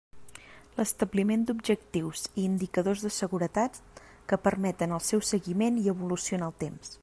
L'establiment d'objectius i indicadors de seguretat que permeten el seu seguiment i evolució en el temps.